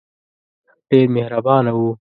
ډېر مهربانه وو.